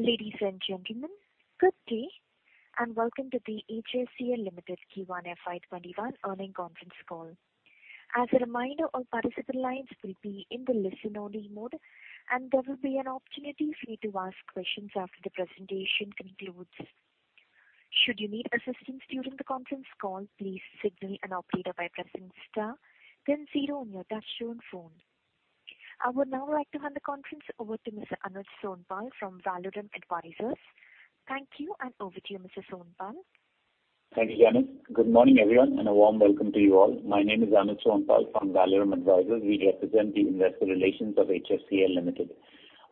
Ladies and gentlemen, good day, and welcome to the HFCL Limited Q1 FY 2021 Earnings Conference Call. As a reminder, all participant lines will be in the listen-only mode, and there will be an opportunity for you to ask questions after the presentation concludes. I would now like to hand the conference over to Mr. Anuj Sonpal from Valorem Advisors. Thank you, and over to you, Mr. Sonpal. Thank you. Good morning, everyone, and a warm welcome to you all. My name is Anuj Sonpal from Valorem Advisors. We represent the investor relations of HFCL Limited.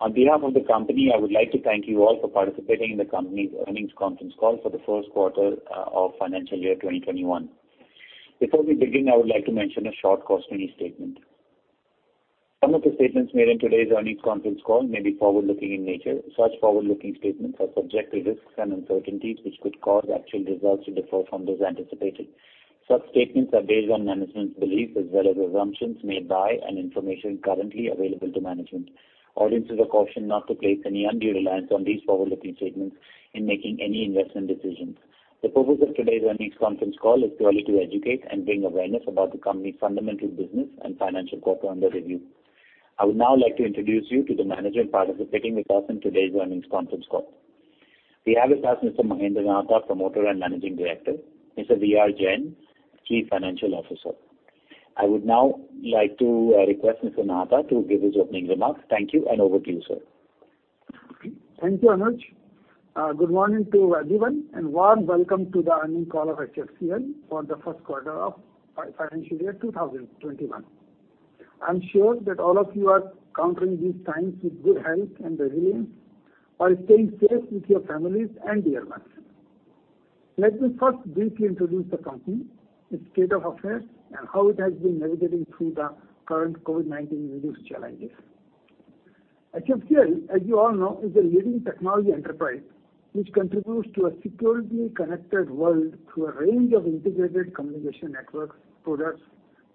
On behalf of the company, I would like to thank you all for participating in the company's earnings conference call for the first quarter of financial year 2021. Before we begin, I would like to mention a short cautionary statement. Some of the statements made in today's earnings conference call may be forward-looking in nature. Such forward-looking statements are subject to risks and uncertainties, which could cause actual results to differ from those anticipated. Such statements are based on management's beliefs as well as assumptions made by and information currently available to management. Audience is cautioned not to place any undue reliance on these forward-looking statements in making any investment decisions. The purpose of today's earnings conference call is purely to educate and bring awareness about the company's fundamental business and financial quarter under review. I would now like to introduce you to the management participating with us in today's earnings conference call. We have with us Mr. Mahendra Nahata, Promoter and Managing Director. Mr. V.R. Jain, Chief Financial Officer. I would now like to request Mr. Nahata to give his opening remarks. Thank you, and over to you, sir. Thank you, Anuj. Good morning to everyone, and warm welcome to the earnings call of HFCL for the first quarter of financial year 2021. I'm sure that all of you are conquering these times with good health and resilience while staying safe with your families and dear ones. Let me first briefly introduce the company, its state of affairs, and how it has been navigating through the current COVID-19-induced challenges. HFCL, as you all know, is a leading technology enterprise, which contributes to a securely connected world through a range of integrated communication networks, products,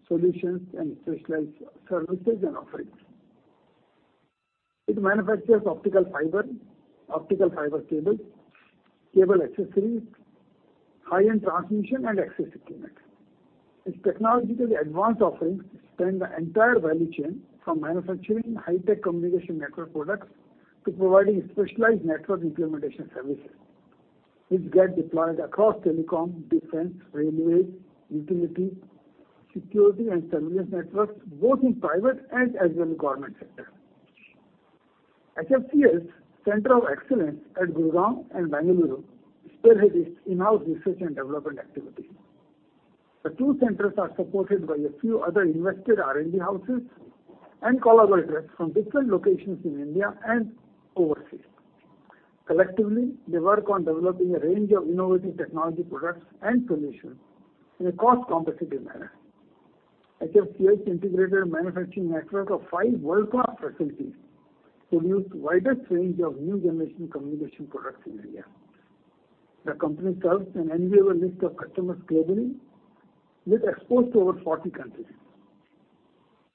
solutions, and specialized services and offerings. It manufactures optical fiber, optical fiber cable accessories, high-end transmission, and access equipment. Its technologically advanced offerings span the entire value chain from manufacturing high-tech communication network products to providing specialized network implementation services, which get deployed across telecom, defense, railway, utility, security, and surveillance networks, both in private and as well in government sector. HFCL's Center of Excellence at Gurgaon and Bengaluru spearhead its in-house research and development activity. The two centers are supported by a few other invested R&D houses and collaborators from different locations in India and overseas. Collectively, they work on developing a range of innovative technology products and solutions in a cost-competitive manner. HFCL's integrated manufacturing network of five world-class facilities produce widest range of new-generation communication products in India. The company serves an enviable list of customers globally with exports to over 40 countries.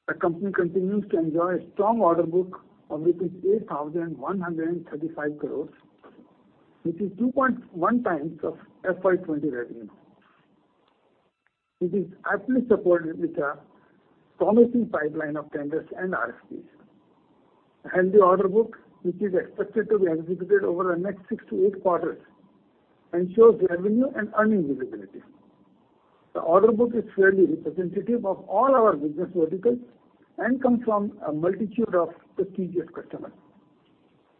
The company continues to enjoy a strong order book of rupees 8,135 crores, which is 2.1 times of FY 2020 revenue. It is aptly supported with a promising pipeline of tenders and RFPs. A healthy order book, which is expected to be executed over the next six to eight quarters, ensures revenue and earning visibility. The order book is fairly representative of all our business verticals and comes from a multitude of prestigious customers.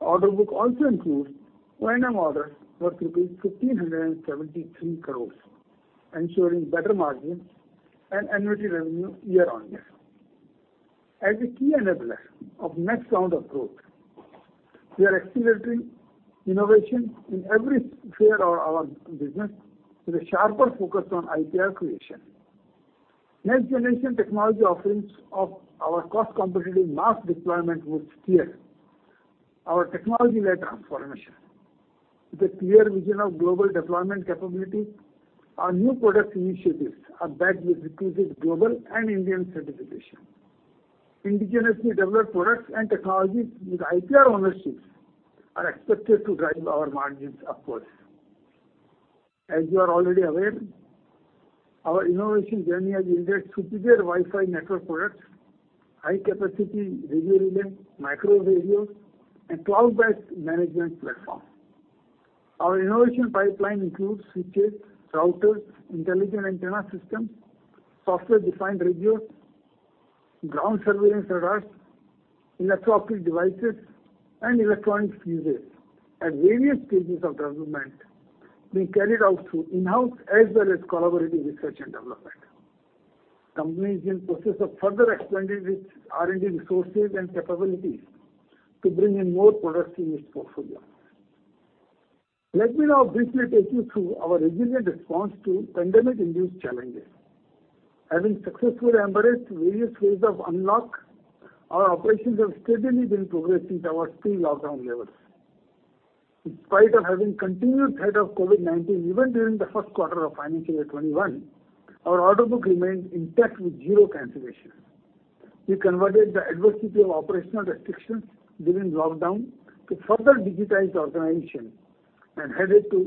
The order book also includes O&M orders worth INR 1,573 crores, ensuring better margins and annuity revenue year-on-year. As a key enabler of next round of growth, we are accelerating innovation in every sphere of our business with a sharper focus on IPR creation. Next-generation technology offerings of our cost-competitive mass deployment would steer our technology-led transformation. With a clear vision of global deployment capability, our new product initiatives are backed with reputed global and Indian certification. Indigenously developed products and technologies with IPR ownerships are expected to drive our margins upwards. As you are already aware, our innovation journey has yielded superior Wi-Fi network products, high-capacity radio elements, micro radios, and cloud-based management platforms. Our innovation pipeline includes switches, routers, intelligent antenna systems, software-defined radios, ground surveillance radars, electro-optic devices, and electronic fuses at various stages of development being carried out through in-house as well as collaborative research and development. Company is in process of further expanding its R&D resources and capabilities to bring in more products in its portfolio. Let me now briefly take you through our resilient response to pandemic-induced challenges. Having successfully embraced various phases of unlock, our operations have steadily been progress since our pre-lockdown levels. In spite of having continued threat of COVID-19 even during the first quarter of financial year 2021, our order book remains intact with zero cancellation. We converted the adversity of operational restrictions during lockdown to further digitize the organization and headed to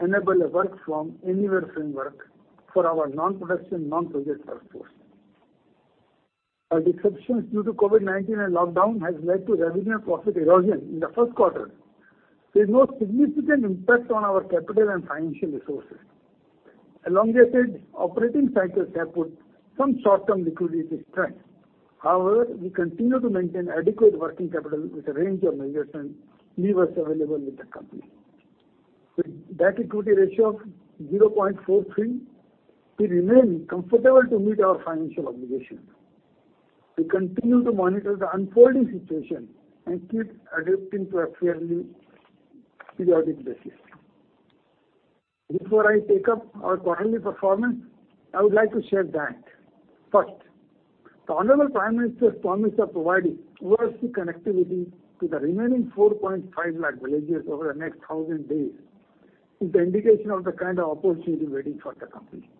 enable a work from anywhere framework for our non-production, non-project workforce. While disruptions due to COVID-19 and lockdown has led to revenue and profit erosion in the first quarter, there's no significant impact on our capital and financial resources. Elongated operating cycles have put some short-term liquidity strain. However, we continue to maintain adequate working capital with a range of measures leave us available with the company. With debt-equity ratio of 0.43, we remain comfortable to meet our financial obligations. We continue to monitor the unfolding situation and keep adapting to a fairly periodic basis. Before I take up our quarterly performance, I would like to share that, first, the honorable Prime Minister's promise of providing universal connectivity to the remaining 4.5 lakh villages over the next 1,000 days is the indication of the kind of opportunity waiting for the company.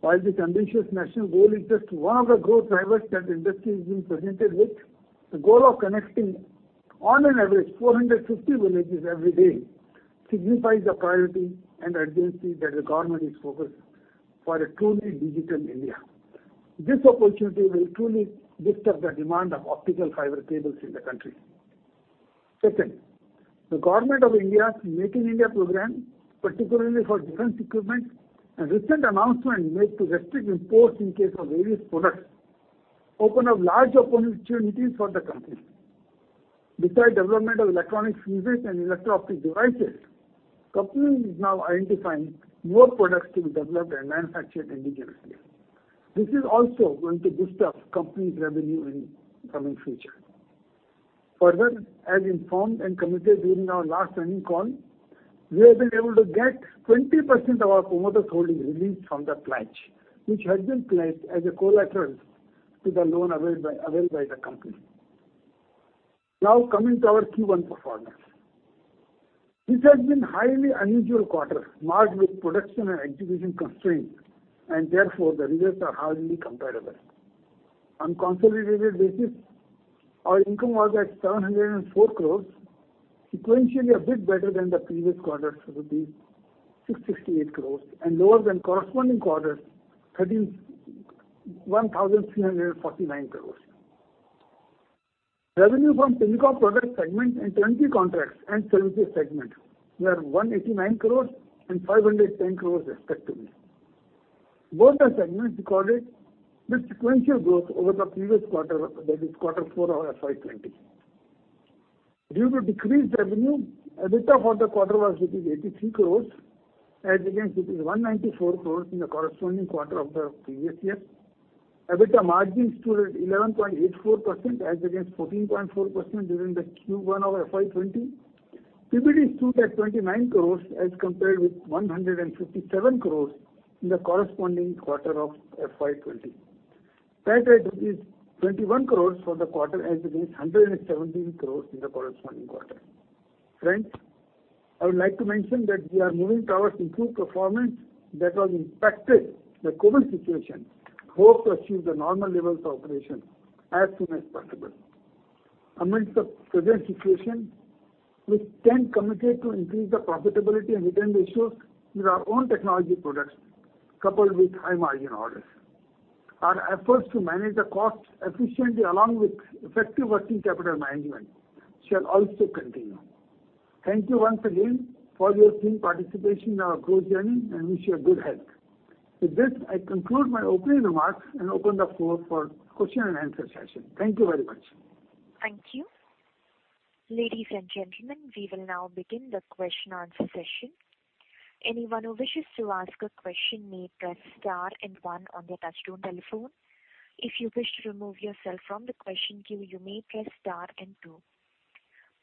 While this ambitious national goal is just one of the growth drivers that industry is being presented with, the goal of connecting on an average 450 villages every day signifies the priority and urgency that the government is focused for a truly digital India. This opportunity will truly boost up the demand of optical fiber cables in the country. Second, the Government of India's Make in India program, particularly for defense equipment, and recent announcement made to restrict imports in case of various products, open up large opportunities for the company. Besides development of electronic fuses and electro-optic devices, company is now identifying more products to be developed and manufactured indigenously. This is also going to boost up company's revenue in coming future. As informed and committed during our last earning call, we have been able to get 20% of our promoters' holding released from the pledge, which had been pledged as a collateral to the loan availed by the company. Coming to our Q1 performance. This has been highly unusual quarter, marked with production and execution constraints, and therefore, the results are hardly comparable. On consolidated basis, our income was at 704 crore, sequentially a bit better than the previous quarter, so would be 668 crore, and lower than corresponding quarters, 1,349 crore. Revenue from telecom product segment and turnkey contracts and services segment were 189 crore and 510 crore respectively. Both the segments recorded with sequential growth over the previous quarter, that is, quarter 4 of FY 2020. Due to decreased revenue, EBITDA for the quarter was 83 crores as against 194 crores in the corresponding quarter of the previous year. EBITDA margins stood at 11.84% as against 14.4% during the Q1 of FY20. PBT stood at 29 crores as compared with 157 crores in the corresponding quarter of FY 2020. PAT at 21 crores for the quarter as against 117 crores in the corresponding quarter. Friends, I would like to mention that we are moving towards improved performance that was impacted by COVID-19 situation and hope to achieve the normal levels of operation as soon as possible. Amidst the present situation, we stand committed to increase the profitability and return ratios with our own technology products, coupled with high margin orders. Our efforts to manage the costs efficiently along with effective working capital management shall also continue. Thank you once again for your keen participation in our growth journey, and wish you a good health. With this, I conclude my opening remarks and open the floor for question and answer session. Thank you very much. Thank you. Ladies and gentlemen, we will now begin the question and answer session. Anyone who wishes to ask a question may press star and one on their touchtone telephone. If you wish to remove yourself from the question queue, you may press star and two.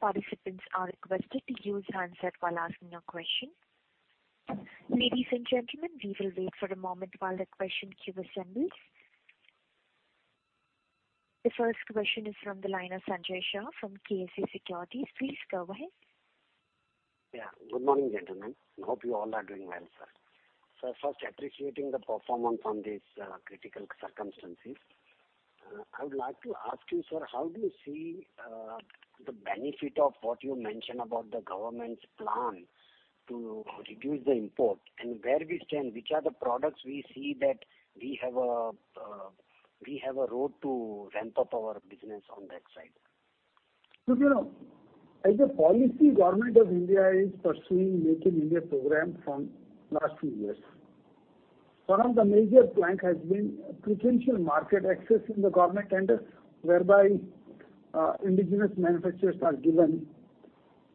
Participants are requested to use handset while asking your question. Ladies and gentlemen, we will wait for a moment while the question queue assembles. The first question is from the line of Sanjay Shah from KSA Securities. Please go ahead. Yeah. Good morning, gentlemen. Hope you all are doing well, sir. First, appreciating the performance on these critical circumstances. I would like to ask you, sir, how do you see the benefit of what you mentioned about the government's plan to reduce the import and where we stand, which are the products we see that we have a road to ramp up our business on that side? Look, as a policy, Government of India is pursuing Make in India program from last few years. One of the major plank has been preferential market access in the government tenders, whereby indigenous manufacturers are given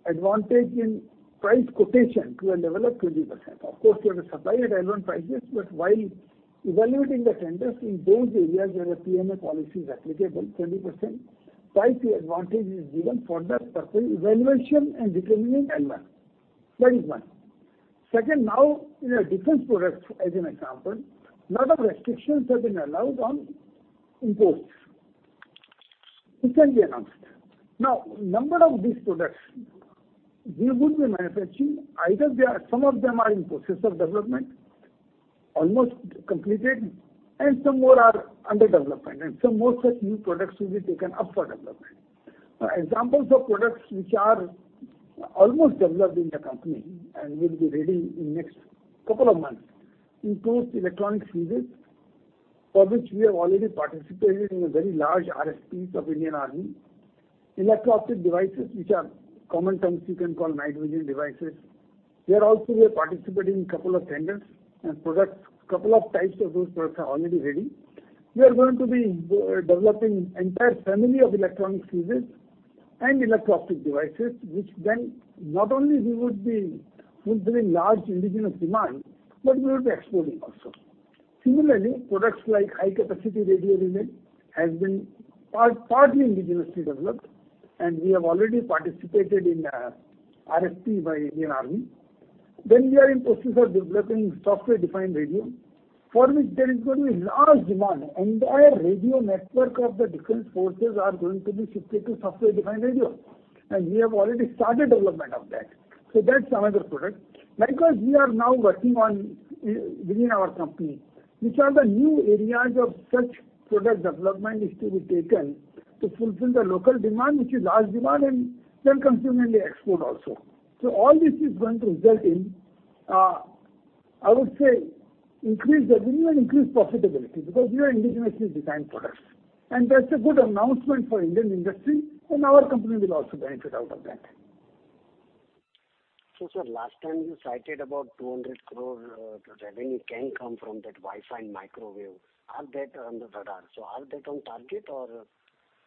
advantage in price quotation to a level of 20%. Of course, you have to supply at relevant prices, but while evaluating the tenders in those areas where the PMA policy is applicable, 20% price advantage is given for the purpose evaluation and determining L1. That is one. Second, now in a defense product, as an example, lot of restrictions have been allowed on imports. It can be announced. Now, number of these products, we would be manufacturing, either some of them are in process of development, almost completed, and some more are under development, and some more such new products will be taken up for development. Examples of products which are almost developed in the company and will be ready in next couple of months includes electronic fuses, for which we have already participated in a very large RFPs of Indian Army. Electro-optic devices, which are common terms you can call night vision devices. There also, we are participating in couple of tenders and products. Couple of types of those products are already ready. We are going to be developing entire family of electronic fuses and electro-optic devices, which then, not only we would be fulfilling large indigenous demand, but we would be exporting also. Similarly, products like high capacity radio relay has been partly indigenously developed, and we have already participated in a RFP by Indian Army. We are in process of developing software-defined radio, for which there is going to be large demand. Entire radio network of the defense forces are going to be shifted to software-defined radio, and we have already started development of that. That's another product. Likewise, we are now working on, within our company, which are the new areas of such product development is to be taken to fulfill the local demand, which is large demand, and then consequently export also. All this is going to result in, I would say, increased revenue and increased profitability, because we are indigenously designed products. That's a good announcement for Indian industry, and our company will also benefit out of that. Sir, last time you cited about 200 crore revenue can come from that Wi-Fi and microwave. Are they under radar? Are they on target or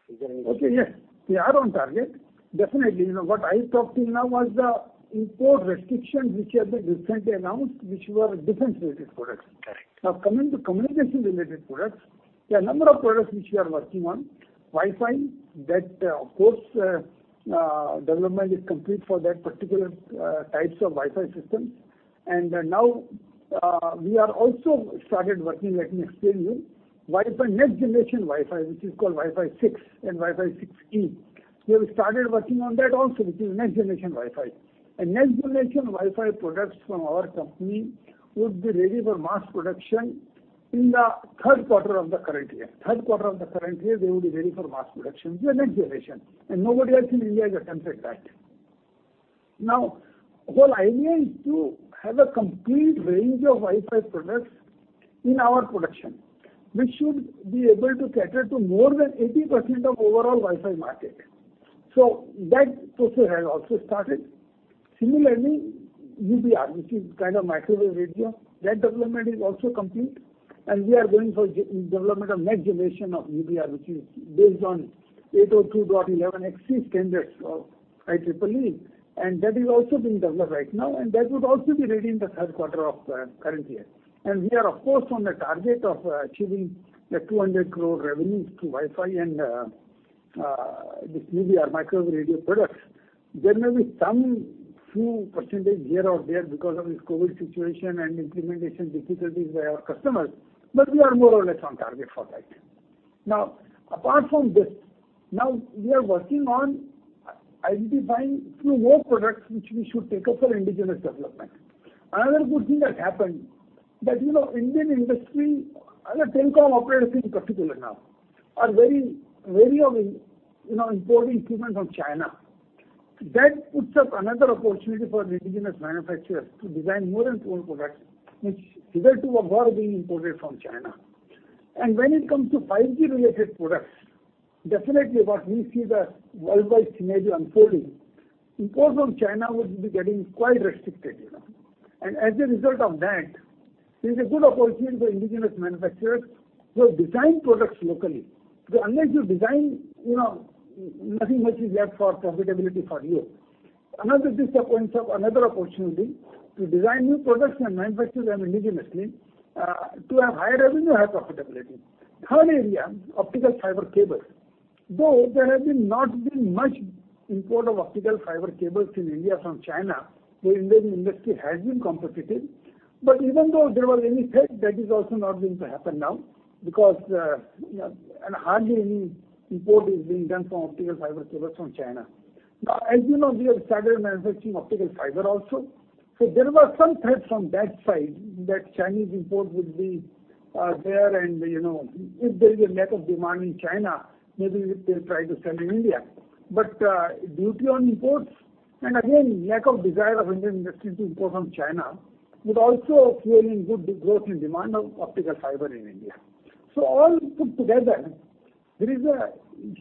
is there any- Yes. We are on target. Definitely. What I talked to you now was the import restrictions which have been recently announced, which were defense-related products. Correct. Now, coming to communication related products, there are a number of products which we are working on. Wi-Fi, that of course, development is complete for that particular types of Wi-Fi systems. Now, we are also started working, let me explain you, next generation Wi-Fi, which is called Wi-Fi 6 and Wi-Fi 6E. We have started working on that also, which is next generation Wi-Fi. Next generation Wi-Fi products from our company would be ready for mass production in the third quarter of the current year. Third quarter of the current year, they will be ready for mass production, the next generation. Nobody else in India has attempted that. Now, whole idea is to have a complete range of Wi-Fi products in our production, which should be able to cater to more than 80% of overall Wi-Fi market. That process has also started. Similarly, UBR, which is kind of microwave radio, that development is also complete, and we are going for development of next generation of UBR, which is based on 802.11ax standards of IEEE, and that is also being developed right now, and that would also be ready in the third quarter of current year. We are, of course, on the target of achieving that 200 crore revenues through Wi-Fi and, this UBR microwave radio products. There may be some few percentage here or there because of this COVID situation and implementation difficulties by our customers, but we are more or less on target for that. Apart from this, now we are working on identifying few more products which we should take up for indigenous development. Another good thing that happened, that Indian industry, telecom operators in particular now, are very wary of importing equipment from China. That puts up another opportunity for indigenous manufacturers to design more and more products, which hitherto were all being imported from China. When it comes to 5G related products, definitely what we see the worldwide scenario unfolding, import from China would be getting quite restricted. As a result of that, there's a good opportunity for indigenous manufacturers who have designed products locally. Unless you design, nothing much is left for profitability for you. Another disappointment of another opportunity to design new products and manufacture them indigenously, to have higher revenue, higher profitability. Third area, optical fiber cable. Though there have not been much import of optical fiber cables in India from China, the Indian industry has been competitive. Even though there was any threat, that is also not going to happen now, because hardly any import is being done from optical fiber cables from China. As you know, we have started manufacturing optical fiber also. There were some threats from that side that Chinese import would be there and, if there is a lack of demand in China, maybe they'll try to sell in India. Duty on imports, and again, lack of desire of Indian industry to import from China, is also fueling good growth in demand of optical fiber in India. All put together, there is a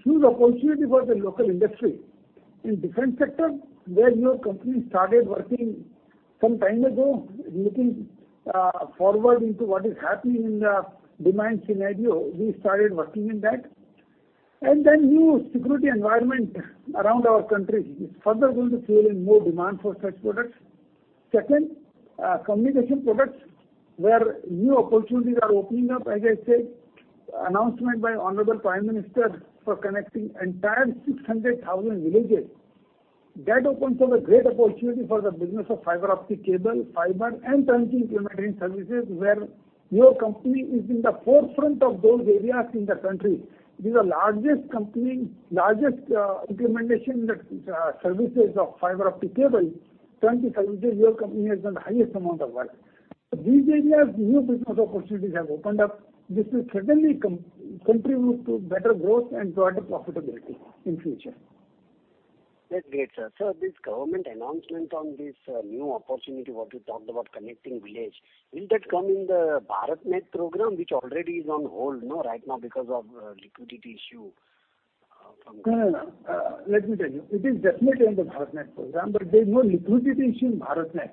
huge opportunity for the local industry. In defense sector, where your company started working some time ago, looking forward into what is happening in the demand scenario, we started working in that. New security environment around our country is further going to fuel in more demand for such products. Second, communication products, where new opportunities are opening up, as I said, announcement by Honorable Prime Minister for connecting entire 600,000 villages. That opens up a great opportunity for the business of fiber optic cable, fiber, and turnkey implementing services, where your company is in the forefront of those areas in the country. These are largest implementation services of fiber optic cable, turnkey services. Your company has done the highest amount of work. These areas, new business opportunities have opened up. This will certainly contribute to better growth and broader profitability in future. That's great, sir. Sir, this Government announcement on this new opportunity, what you talked about connecting village, will that come in the BharatNet program, which already is on hold right now because of liquidity issue. Let me tell you. It is definitely on the BharatNet program. There's no liquidity issue in BharatNet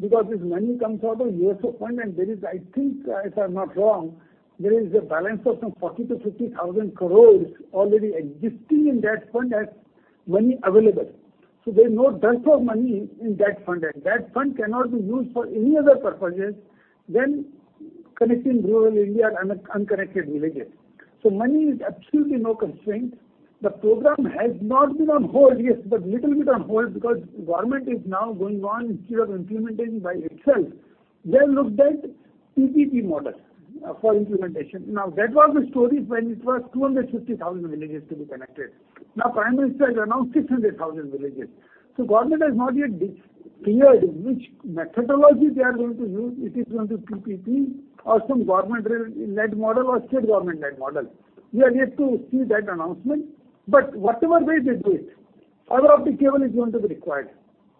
because this money comes from a USOF fund, and there is, I think, if I'm not wrong, there is a balance of some 40,000-50,000 crores already existing in that fund as money available. There's no dearth of money in that fund. That fund cannot be used for any other purposes than connecting rural India and unconnected villages. Money is absolutely no constraint. The program has not been on hold. Yes, little bit on hold because government is now going on, instead of implementing by itself, they have looked at PPP model for implementation. That was the story when it was 250,000 villages to be connected. Prime Minister has announced 600,000 villages. Government has not yet cleared which methodology they are going to use. It is going to PPP or some government-led model or state government-led model. We are yet to see that announcement. But whatever way they do it, fiber optic cable is going to be required.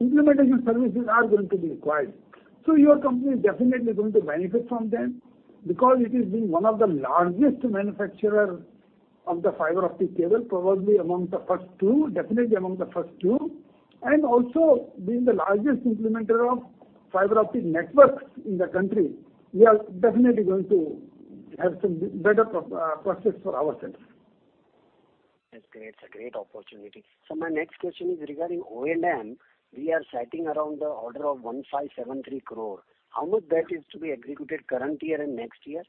Implementation services are going to be required. Your company is definitely going to benefit from them, because it has been one of the largest manufacturer of the fiber optic cable, probably among the first two, definitely among the first two, and also being the largest implementer of fiber optic networks in the country. We are definitely going to have some better prospects for ourselves. That's great. It's a great opportunity. My next question is regarding O&M. We are sitting around the order of 1,573 crore. How much that is to be executed current year and next year?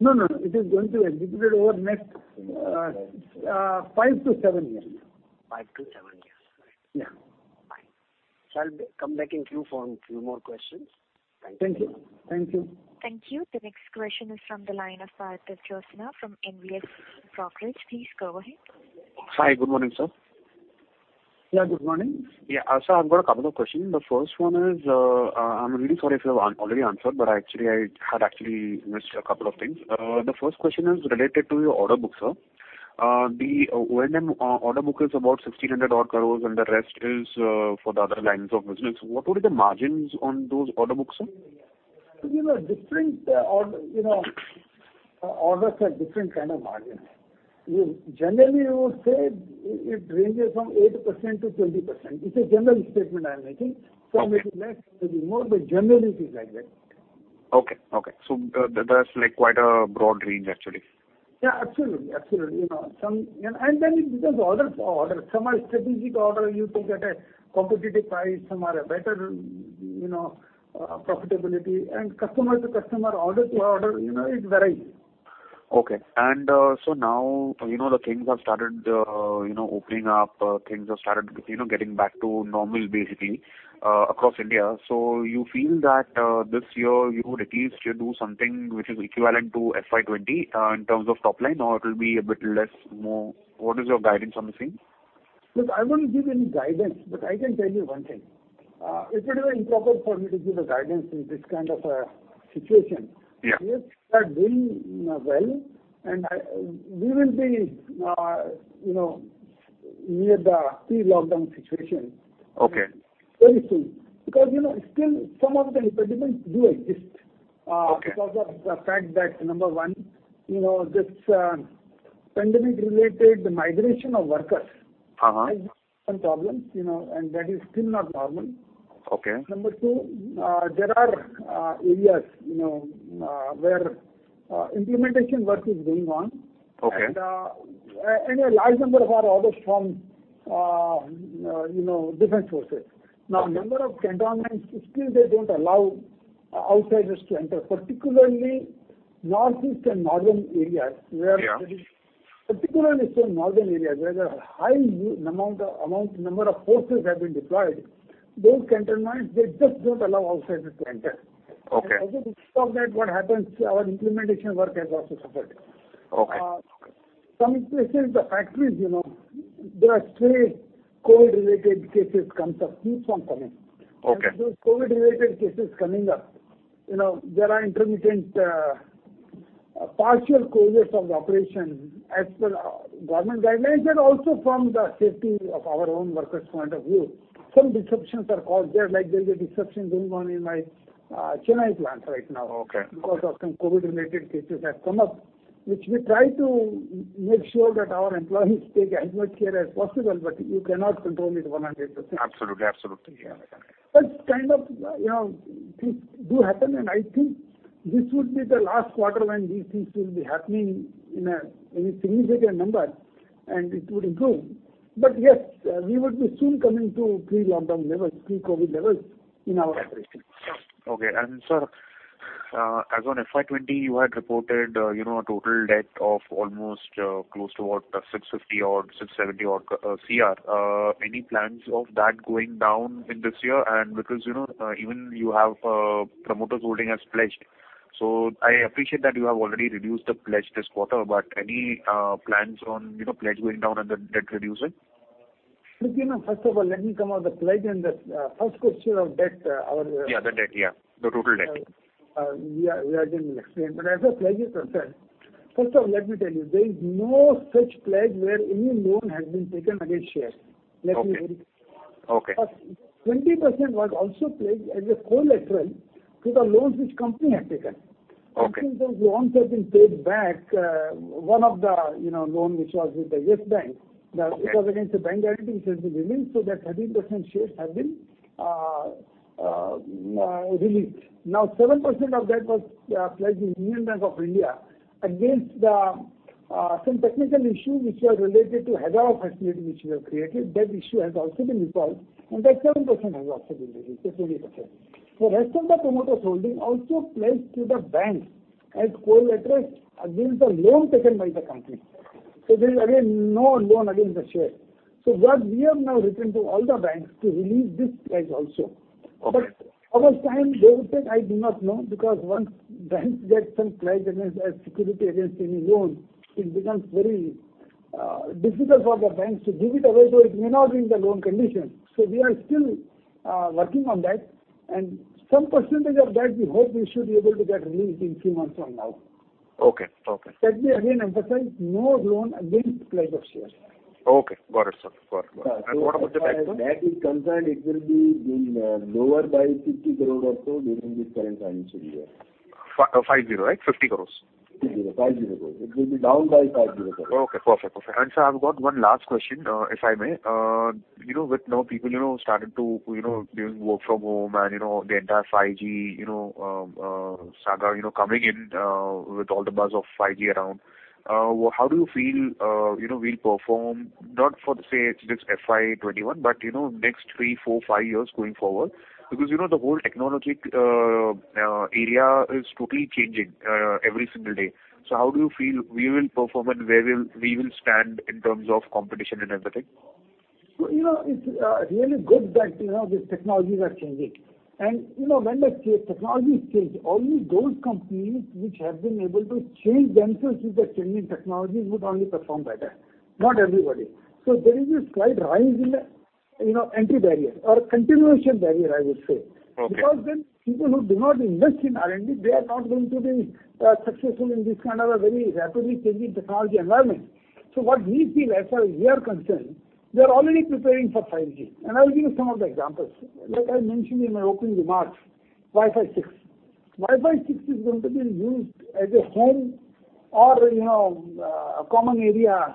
No. It is going to be executed over next five to seven years. Five to seven years. All right. Yeah. Fine. I'll come back in queue for few more questions. Thank you. Thank you. Thank you. The next question is from the line of Parth Joshna from NVS Brokerage. Please go ahead. Hi. Good morning, sir. Yeah, good morning. Yeah. Sir, I've got a couple of questions. The first one is, I'm really sorry if you have already answered, but I had actually missed a couple of things. The first question is related to your order book, sir. The O&M order book is about 1,600 odd crores, and the rest is for the other lines of business. What would be the margins on those order books, sir? Different orders have different kind of margins. Generally, we would say it ranges from 8% to 20%. It's a general statement I'm making. Some may be less, some may be more, but generally it is like that. Okay. That's quite a broad range, actually. Yeah, absolutely. It becomes order to order. Some are strategic order, you take at a competitive price. Some are a better profitability. Customer to customer, order to order, it varies. Okay. Now, the things have started opening up, things have started getting back to normal basically, across India. You feel that this year you would at least do something which is equivalent to FY20 in terms of top line, or it'll be a bit less, more? What is your guidance on the same? Look, I won't give any guidance, but I can tell you one thing. It would be improper for me to give a guidance in this kind of a situation. Yeah. Things are doing well, and we will be near the pre-lockdown situation. Okay very soon. Because still some of the impediments do exist. Okay. Because of the fact that, number one, this pandemic-related migration of workers has been some problems, and that is still not normal. Okay. Number two, there are areas where implementation work is going on. Okay. A large number of our orders from different sources. Number of cantonments, still they don't allow outsiders to enter, particularly Northeast and Northern areas. Yeah particularly some northern areas where the high amount number of forces have been deployed. Those cantonments, they just don't allow outsiders to enter. Okay. Because of that, what happens, our implementation work has also suffered. Okay. Some places, the factories, there are stray COVID-related cases keeps on coming. Okay. With those COVID-related cases coming up, there are intermittent partial closures of the operation as per government guidelines, and also from the safety of our own workers' point of view. Some disruptions are caused there, like there's a disruption going on in my Chennai plant right now. Okay because of some COVID-related cases have come up, which we try to make sure that our employees take as much care as possible, but you cannot control it 100%. Absolutely. Yeah. These things do happen, and I think this will be the last quarter when these things will be happening in a significant number, and it would improve. Yes, we would be soon coming to pre-lockdown levels, pre-COVID levels in our operations. Okay. Sir. As on FY 2020, you had reported total debt of almost close to what? 650 or 670 crore. Any plans of that going down in this year? Because even you have promoters holding as pledged. I appreciate that you have already reduced the pledge this quarter, but any plans on pledge going down and the debt reducing? Look, first of all, let me come on the pledge and the first question of debt. Yeah, the debt. The total debt. Yeah. We are going to explain. As far as pledge is concerned, first of all, let me tell you, there is no such pledge where any loan has been taken against shares. Let me make it clear. Okay. 20% was also pledged as a collateral to the loans which company had taken. Okay. Since those loans have been paid back, one of the loan, which was with the Yes Bank, it was against the bank guarantee which has been released so that 13% shares have been released. 7% of that was pledged in Union Bank of India against some technical issue which was related to Hyderabad facility which we have created. That issue has also been resolved, and that 7% has also been released. It's 20%. The rest of the promoter's holding also pledged to the bank as collateral against the loan taken by the company. There is, again, no loan against the share. What we have now written to all the banks to release this pledge also. Okay. How much time they will take, I do not know, because once banks get some pledge against, as security against any loan, it becomes very difficult for the banks to give it away, though it may not be in the loan condition. We are still working on that, and some percentage of that, we hope we should be able to get released in few months from now. Okay. Let me again emphasize, no loan against pledge of shares. Okay. Got it, sir. What about the debt though? As far as debt is concerned, it will be lower by 50 crore or so during this current financial year. 50, right? 50 crores. 50 crore. It will be down by 50 crore. Okay, perfect. Sir, I've got one last question, if I may. With now people starting to doing work from home and the entire 5G saga coming in with all the buzz of 5G around, how do you feel we'll perform not for, say, just F 20Y21, but next three, four, five years going forward? Because the whole technology area is totally changing every single day. How do you feel we will perform and where we will stand in terms of competition and everything? It's really good that these technologies are changing. When the technology change, only those companies which have been able to change themselves with the changing technologies would only perform better, not everybody. There is a slight rise in the entry barrier or continuation barrier, I would say. Okay. People who do not invest in R&D, they are not going to be successful in this kind of a very rapidly changing technology environment. What we feel as far as we are concerned, we are already preparing for 5G, and I'll give you some of the examples. Like I mentioned in my opening remarks, Wi-Fi 6. Wi-Fi 6 is going to be used as a home or common area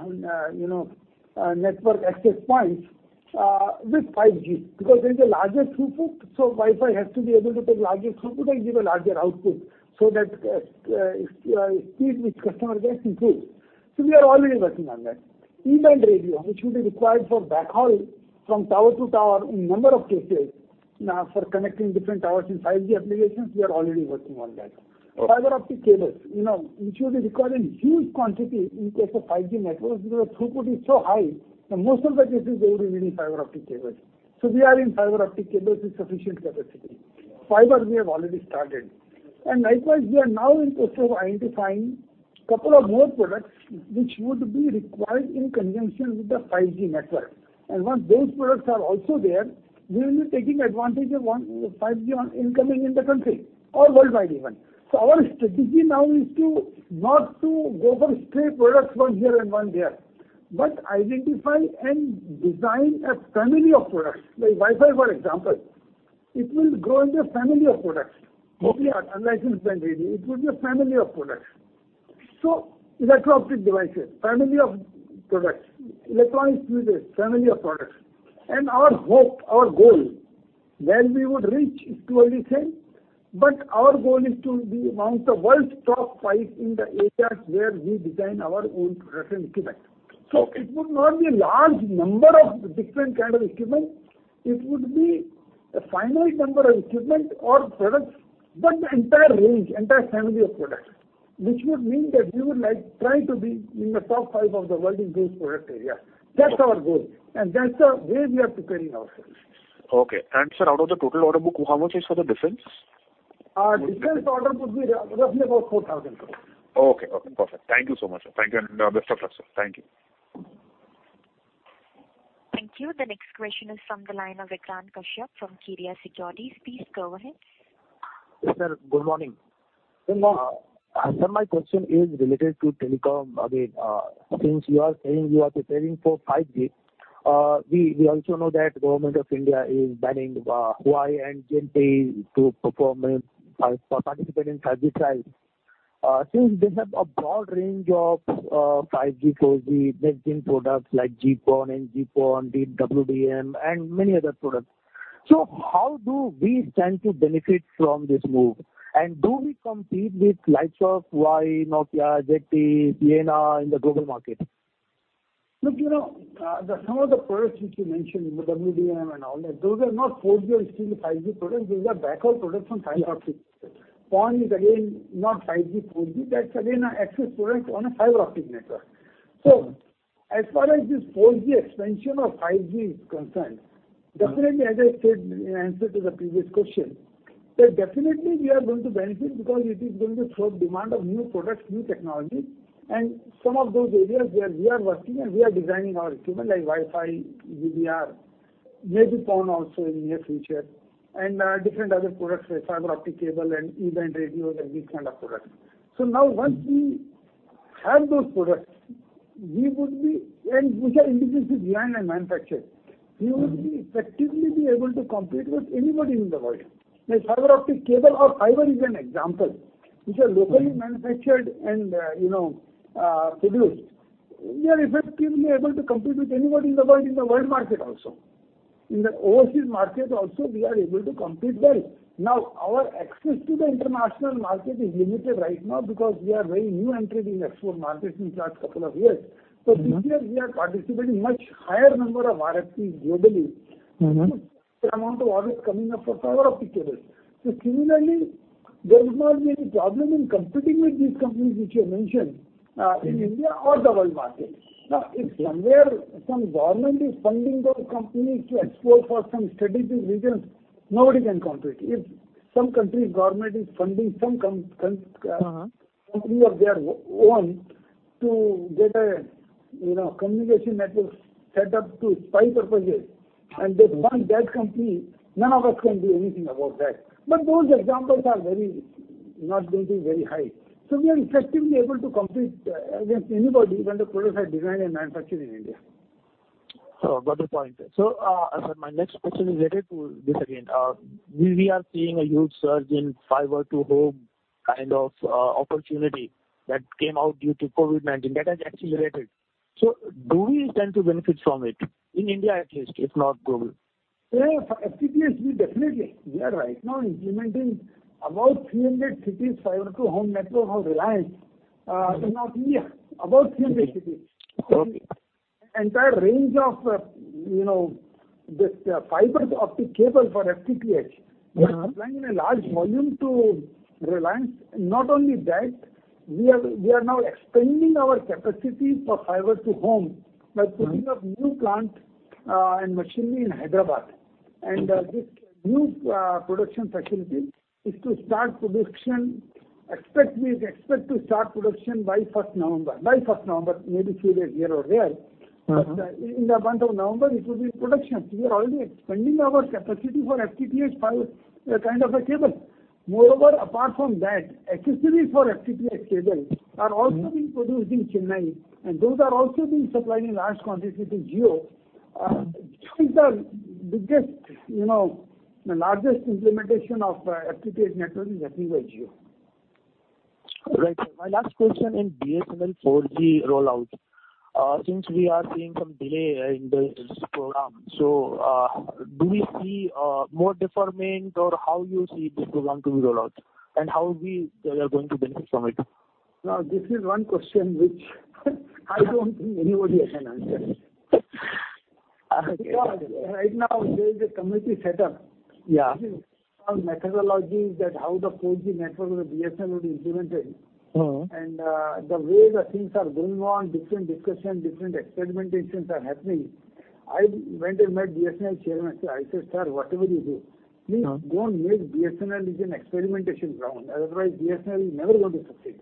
network access points with 5G because there is a larger throughput. Wi-Fi has to be able to take larger throughput and give a larger output so that speed which customer gets improves. We are already working on that. E-band radio, which will be required for backhaul from tower to tower in number of cases for connecting different towers in 5G applications, we are already working on that. Okay. Fiber optic cables, which will be required in huge quantity in case of 5G networks because the throughput is so high, in most of the cases, they will be needing fiber optic cables. We are in fiber optic cables with sufficient capacity. Fiber, we have already started. Likewise, we are now in process of identifying couple of more products which would be required in conjunction with the 5G network. Once those products are also there, we will be taking advantage of 5G incoming in the country or worldwide even. Our strategy now is not to go for stray products, one here and one there. Identify and design a family of products, like Wi-Fi, for example. It will grow into a family of products. Okay. Unlicensed Band Radio, it will be a family of products. Electro-optic devices, family of products. Electronic devices, family of products. Our hope, our goal, where we would reach is to everything, but our goal is to be among the world's top five in the areas where we design our own products and equipment. It would not be large number of different kind of equipment. It would be a finite number of equipment or products, but the entire range, entire family of products. Which would mean that we would like try to be in the top five of the world in those product area. That's our goal, and that's the way we are preparing ourselves. Okay. Sir, out of the total order book, how much is for the defense? Defense order would be roughly about INR 4,000 crores. Okay. Perfect. Thank you so much, sir. Thank you, and best of luck, sir. Thank you. Thank you. The next question is from the line of Vikrant Kashyap from Kedia Securities. Please go ahead. Sir, good morning. Sir, my question is related to telecom. You are saying you are preparing for 5G, we also know that Government of India is banning Huawei and ZTE to participate in 5G trials. They have a broad range of 5G, 4G, 13 products like GPON and GPON, DWDM, and many other products. How do we stand to benefit from this move? Do we compete with lights of Huawei, Nokia, ZTE, Ciena in the global market? Some of the products which you mentioned, WDM and all that, those are not 4G or still 5G products. Those are backhaul products from fiber optics. PON is again not 5G, 4G, that's again an access product on a fiber optic network. As far as this 4G expansion or 5G is concerned, definitely, as I said in answer to the previous question, that definitely we are going to benefit because it is going to throw demand of new products, new technology, and some of those areas where we are working and we are designing our equipment like Wi-Fi, UBR, maybe PON also in near future, and different other products like fiber optic cable and E-band radio, like these kind of products. Now once we have those products, and which are indigenous design and manufacture, we would effectively be able to compete with anybody in the world. The fiber optic cable or fiber is an example, which are locally manufactured and produced. We are effectively able to compete with anybody in the world market also. In the overseas market also, we are able to compete well. Now, our access to the international market is limited right now because we are very new entry in export markets in past couple of years. This year, we are participating much higher number of RFPs globally. The amount of orders coming up for fiber optic cable. Similarly, there will not be any problem in competing with these companies which you have mentioned, in India or the world market. If somewhere some government is funding those companies to explore for some strategic reasons, nobody can compete. If some country government is funding some company of their own to get a communication network set up to spy purposes, and they fund that company, none of us can do anything about that. Those examples are not going to be very high. We are effectively able to compete against anybody when the products are designed and manufactured in India. Got the point. My next question is related to this again. We are seeing a huge surge in fiber to home kind of opportunity that came out due to COVID-19, that has accelerated. Do we stand to benefit from it, in India at least, if not global? Yeah, for FTTH, definitely. We are right now implementing about 300 cities fiber to home network for Reliance. If not near, about 300 cities. Okay. Entire range of this fiber optic cable for FTTH. We are supplying in a large volume to Reliance. Not only that, we are now expanding our capacity for Fiber to Home by putting up new plant and machinery in Hyderabad. This new production facility is to start production. Expect to start production by 1st November. By 1st November, maybe few days here or there. In the month of November, it will be in production. We are already expanding our capacity for FTTH fiber, kind of a cable. Moreover, apart from that, accessories for FTTH cable are also being produced in Chennai, and those are also being supplied in large quantities to Jio. Since the biggest, largest implementation of FTTH network is happening by Jio. Right. My last question in BSNL 4G rollout. Since we are seeing some delay in this program, do we see more deferment or how you see this program to be rolled out? How we are going to benefit from it? Now, this is one question which I don't think anybody can answer. Okay. Right now there is a committee set up. Yeah. On methodology that how the 4G network of the BSNL will be implemented. The way the things are going on, different discussions, different experimentations are happening. I went and met BSNL chairman. I said, "Sir, whatever you do, please don't make BSNL as an experimentation ground. Otherwise, BSNL is never going to succeed.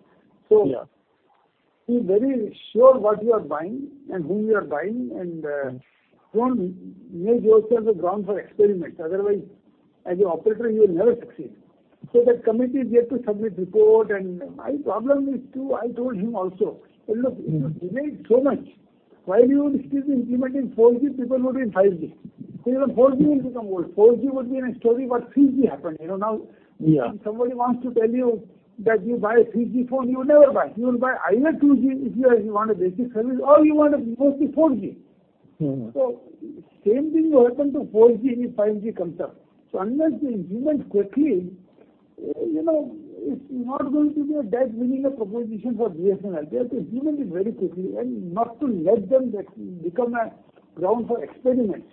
Yeah. Be very sure what you are buying and whom you are buying and don't make yourself the ground for experiments. Otherwise, as an operator, you will never succeed. That committee is yet to submit report and my problem, I told him also, that look, it has delayed so much. Why you would still be implementing 4G, people would be in 5G. Soon your 4G will become old. 4G would be in a story what 3G happened. Yeah if somebody wants to tell you that you buy a 3G phone, you will never buy. You will buy either 2G if you want a basic service or you want a mostly 4G. Same thing will happen to 4G if 5G comes up. Unless they implement quickly, it's not going to be a that winning a proposition for BSNL. They have to implement it very quickly and not to let them become a ground for experiments.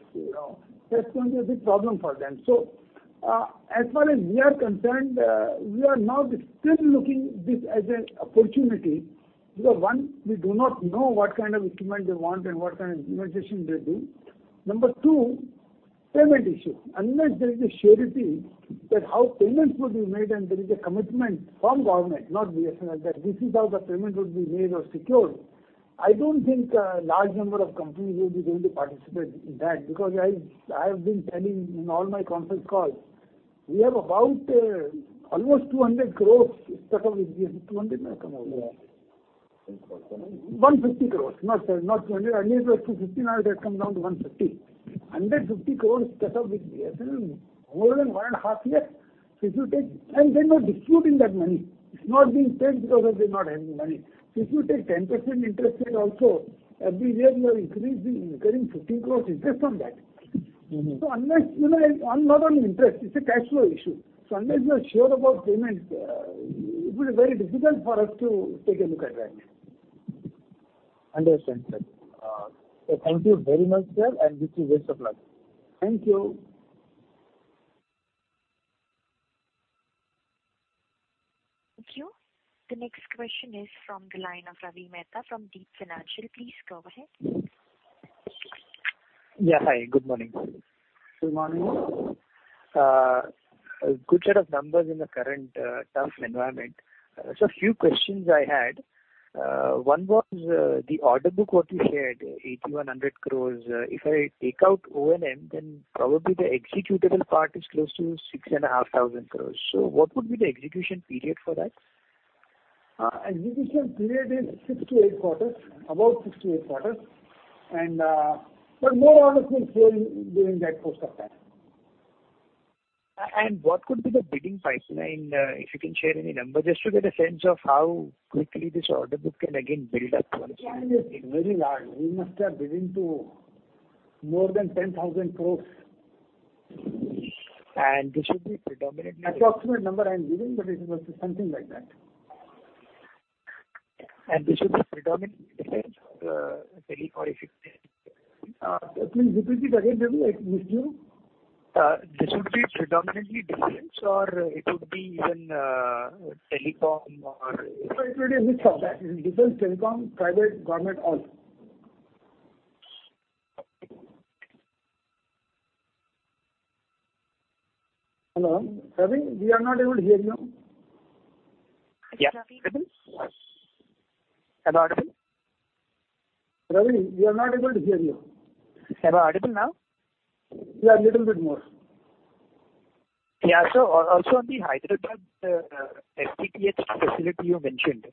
That's going to be a big problem for them. As far as we are concerned, we are now still looking this as an opportunity because one, we do not know what kind of equipment they want and what kind of implementation they'll do. Number two, payment issue. Unless there is a surety that how payments would be made and there is a commitment from Government, not BSNL, that this is how the payment would be made or secured, I don't think a large number of companies would be going to participate in that because I have been telling in all my conference calls, we have about almost 200 crores stuck up with BSNL. 200 may have come out. Yeah. 150 crore, not 200 crore. Earlier it was 250 crore, now it has come down to 150 crore. 150 crore stuck up with BSNL more than one and a half year. They're not disputing that money. It's not being paid because of they're not having money. If you take 10% interest rate also, every year you are incurring 15 crore interest on that. Not only interest, it's a cash flow issue. Unless you are sure about payment, it will be very difficult for us to take a look at that. Understand, sir. Thank you very much, sir, and wish you best of luck. Thank you. Thank you. The next question is from the line of Ravi Mehta from Deep Financial. Please go ahead. Yeah, hi. Good morning. Good morning. Good set of numbers in the current tough environment. A few questions I had. One was the order book, what you said, 8,100 crore. If I take out O&M, then probably the executable part is close to 6,500 crore. What would be the execution period for that? Execution period is six to eight quarters, about six to eight quarters. More orders will flow in during that course of time. What could be the bidding pipeline, if you can share any number, just to get a sense of how quickly this order book can again build up? It's very large. We must have bidding to more than 10,000 crores. And this should be predominantly- Approximate number I'm giving, but it is something like that. This should be predominantly defense or telecom if you can share. It will be again, Ravi, like we do. This would be predominantly defense or it would be even telecom or. It could be a mix of that. Defense, telecom, private, government, all. Hello, Ravi, we are not able to hear you. Yes, Ravi. Am I audible? Ravi, we are not able to hear you. Am I audible now? Yeah, a little bit more. Yeah. Also on the Hyderabad FTTH facility you mentioned.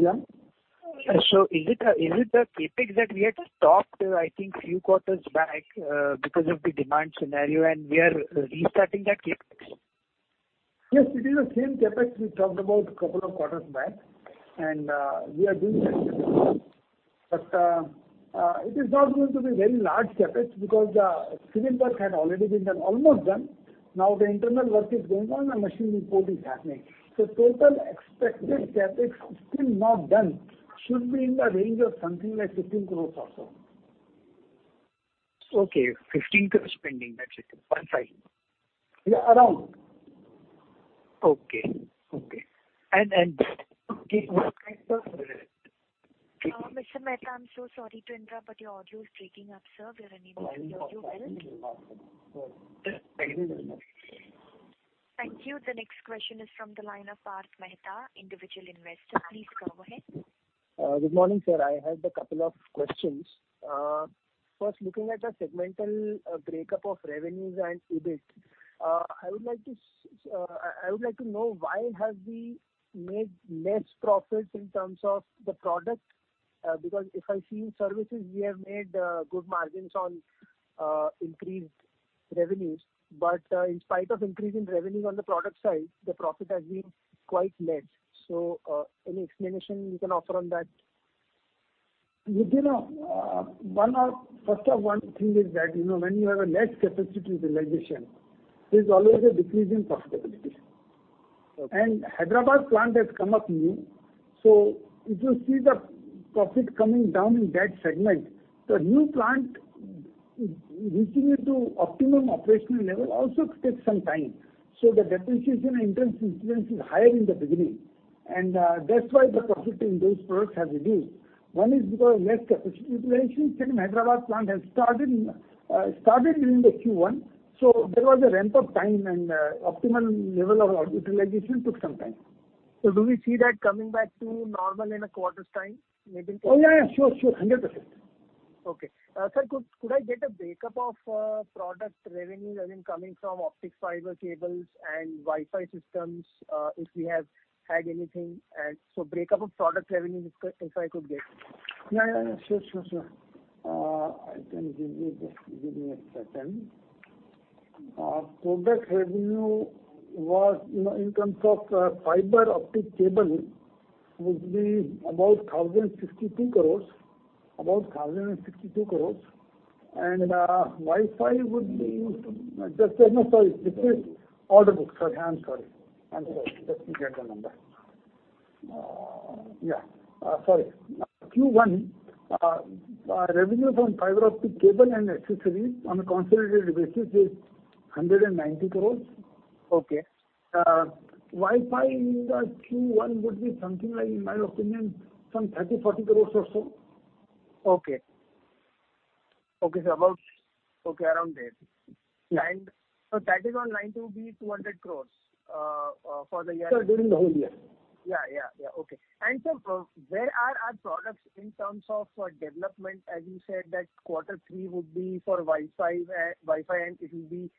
Yeah. Is it the CapEx that we had stopped, I think, few quarters back because of the demand scenario, and we are restarting that CapEx? Yes, it is the same CapEx we talked about a couple of quarters back, and we are doing that CapEx. It is not going to be very large CapEx because the civil work had already been almost done. Now the internal work is going on, and machine import is happening. Total expected CapEx still not done should be in the range of something like 15 crores or so. Okay. 15 crore spending, that's it. Fine. Yeah, around. Okay. Mr. Mehta, I'm so sorry to interrupt, but your audio is breaking up, sir. We are unable to hear you well. Thank you very much. Thank you. The next question is from the line of Parth Mehta, individual investor. Please go ahead. Good morning, sir. I had a couple of questions. First, looking at the segmental breakup of revenues and EBIT, I would like to know why have we made less profits in terms of the product? If I see in services, we have made good margins on increased revenues. In spite of increase in revenue on the product side, the profit has been quite less. Any explanation you can offer on that? First of one thing is that, when you have a less capacity utilization, there's always a decrease in profitability. Okay. Hyderabad plant has come up new. If you see the profit coming down in that segment, the new plant reaching into optimum operational level also takes some time. The depreciation and interest incidence is higher in the beginning, and that's why the profit in those products has reduced. One is because of less capacity utilization. Second Hyderabad plant has started during the Q1, so there was a ramp-up time and optimal level of utilization took some time. Do we see that coming back to normal in a quarter's time, maybe? Oh, yeah. Sure. 100%. Okay. Sir, could I get a breakup of product revenue coming from optic fiber cables and Wi-Fi systems, if we have had anything? Breakup of product revenue, if I could get. Yeah. Sure. I can give you. Just give me a second. Product revenue in terms of fiber optic cable would be about 1,062 crore, and Wi-Fi would be No, sorry. This is order book. Sorry, I'm sorry. Just let me get the number. Yeah. Sorry. Q1, revenue from fiber optic cable and accessories on a consolidated basis is 190 crore. Okay. Wi-Fi in the Q1 would be something like, in my opinion, some 30, 40 crores or so. Okay. Sir, around there. Yeah. That is on line to be 200 crore for the year. Sir, during the whole year. Yeah. Okay. Sir, where are our products in terms of development, as you said that quarter three would be for Wi-Fi and it will be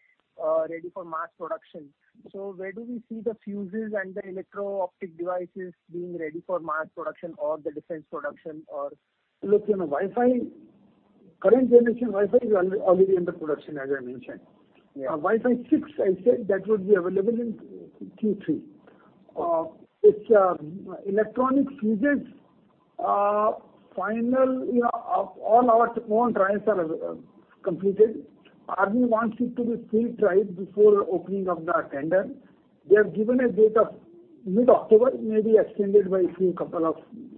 ready for mass production? Where do we see the fuses and the electro-optic devices being ready for mass production or the defense production? Look, current generation Wi-Fi is already under production, as I mentioned. Yeah. Wi-Fi 6, I said that would be available in Q3. Electronic fuses. All our own trials are completed. Indian Army wants it to be field tried before opening of the tender. They have given a date of mid-October, may be extended by a couple of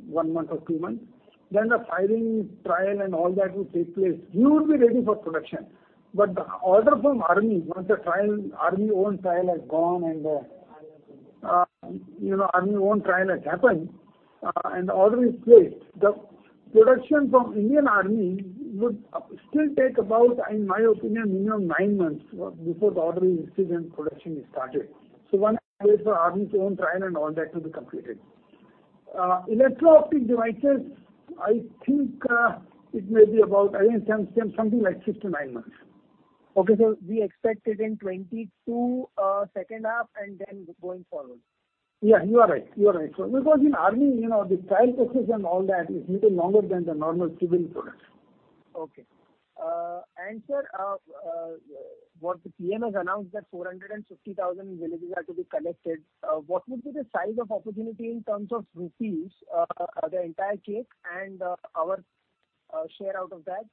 one month or two months. The firing trial and all that will take place. We would be ready for production. The order from Indian Army, once the Indian Army own trial has gone and Indian Army own trial has happened, and the order is placed, the production from Indian Army would still take about, in my opinion, minimum nine months before the order is received and production is started. One has wait for Indian Army's own trial and all that to be completed. Electro-optic devices, I think it may be about, again, something like six to nine months. Okay, sir. We expect it in 2022, second half, and then going forward. Yeah, you are right. In Army, the trial process and all that is little longer than the normal civil products. Okay. Sir, what the PM has announced that 450,000 villages are to be connected. What would be the size of opportunity in terms of INR, the entire cake and our share out of that,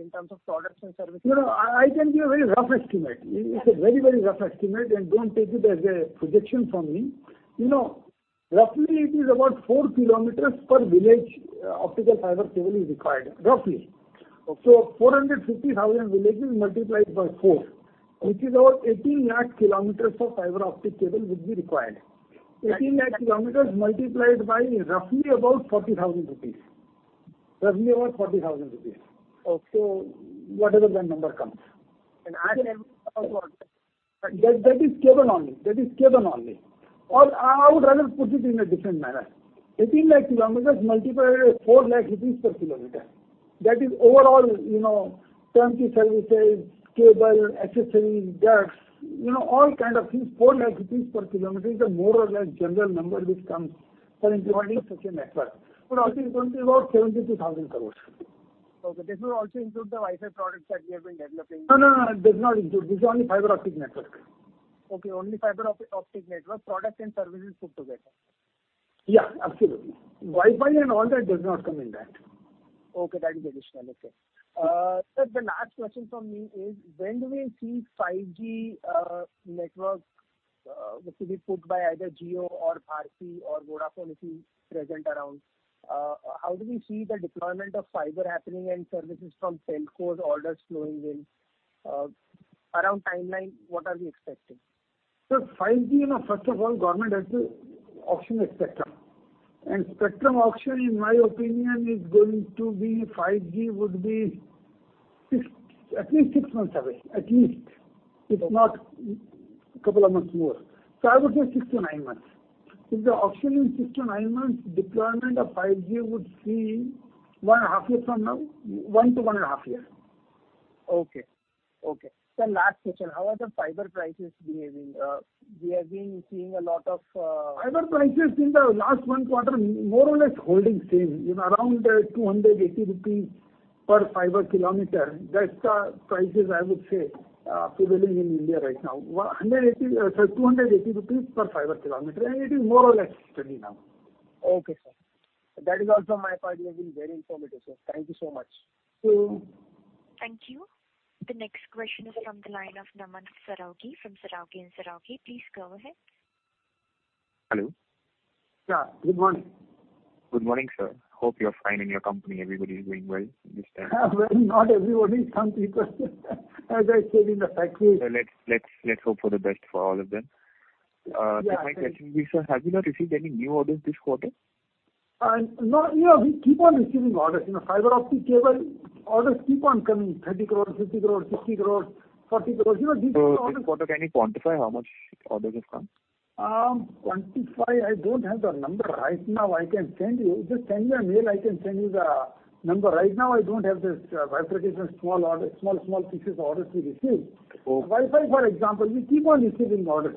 in terms of products and services? I can give a very rough estimate. It's a very rough estimate. Don't take it as a projection from me. Roughly, it is about 4 km per village, optical fiber cable is required, roughly. Okay. 450,000 villages multiplied by four, which is about 18 lakh kilometers of fiber optic cable would be required. 18 lakh kilometers multiplied by roughly about 40,000 rupees. Okay. Whatever the number comes. Adding. That is cable only. I would rather put it in a different manner. 18 lakh kilometer multiplied by INR 4 lakh per kilometer That is overall, turnkey services, cable, accessories, ducts, all kind of things. 4 lakh rupees per kilometer is a more or less general number which comes for implementing such a network. I think it's going to be about 72,000 crores. Okay. This will also include the Wi-Fi products that we have been developing? No, does not include. This is only fiber optic network. Okay, only fiber optic network, product, and services put together. Yeah, absolutely. Wi-Fi and all that does not come in that. Okay, that is additional. Okay. Sir, the last question from me is, when do we see 5G network to be put by either Jio or Bharti or Vodafone if is present around, how do we see the deployment of fiber happening and services from telcos orders flowing in, around timeline, what are we expecting? Sir, 5G, first of all, Government has to auction a spectrum. Spectrum auction, in my opinion, 5G would be at least six months away, if not a couple of months more. I would say six to nine months. If the auction in six to nine months, deployment of 5G would see one and a half years from now, one to one and a half years. Okay. Sir, last question. How are the fiber prices behaving? Fiber prices in the last one quarter, more or less holding same, around 280 rupees per fiber kilometer. That's the prices, I would say, prevailing in India right now. 280 rupees per fiber kilometer, it is more or less steady now. Okay, sir. That is all from my side. You have been very informative, sir. Thank you so much. Thank you. Thank you. The next question is from the line of Naman Saraogi from Saraogi and Saraogi. Please go ahead. Hello. Yeah, good morning. Good morning, sir. Hope you're fine, and your company, everybody is doing well this time. Well, not everybody. Some people, as I said, in the factory- Sir, let's hope for the best for all of them. Yeah. My question will be, sir, have you not received any new orders this quarter? No. We keep on receiving orders. Fiber optic cable orders keep on coming, INR 30 crores, INR 50 crores, INR 60 crores, INR 40 crores. This quarter, can you quantify how much orders you've got? Quantify, I don't have the number right now. Just send me a mail, I can send you the number. Right now, I don't have this. By rotation, small orders, small pieces of orders we receive. Okay. Wi-Fi, for example, we keep on receiving orders.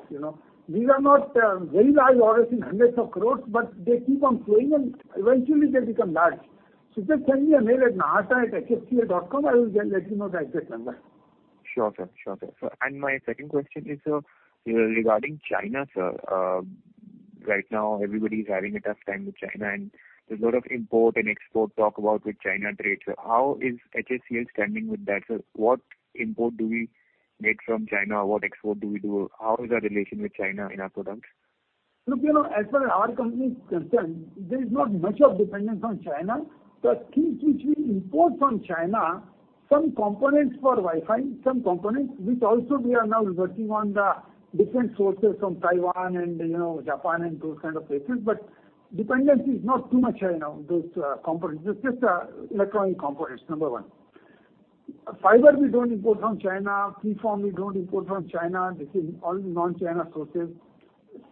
These are not very large orders in hundreds of crores, they keep on flowing and eventually they become large. Just send me a mail at narayan@hfcl.com. I will let you know the exact number. Sure, sir. My second question is, sir, regarding China, sir. Right now, everybody is having a tough time with China, and there's a lot of import and export talk about with China trade, sir. How is HFCL standing with that, sir? What import do we make from China? What export do we do? How is our relation with China in our products? Look, as far as our company is concerned, there's not much of dependence on China. The things which we import from China, some components for Wi-Fi, some components which also we are now working on the different sources from Taiwan and Japan and those kind of places, but dependency is not too much right now on those components. It's just electronic components, number one. Fiber we don't import from China, preform we don't import from China. This is all non-China sources.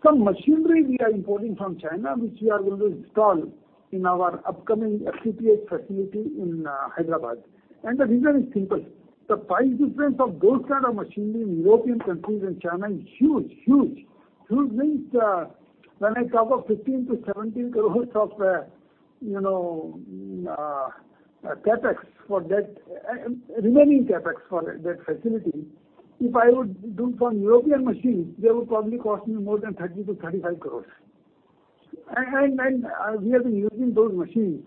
Some machinery we are importing from China, which we are going to install in our upcoming FTTH facility in Hyderabad. The reason is simple. The price difference of those kind of machinery in European countries and China is huge. Huge means when I talk of 15 to 17 crore of remaining CapEx for that facility. If I would do from European machines, they would probably cost me more than 30 to 35 crore. We have been using those machines